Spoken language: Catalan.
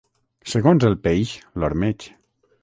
Segons el peix, l'ormeig.